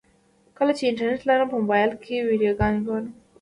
کله چې انټرنټ لرم په موبایل کې ویډیوګانې ګورم.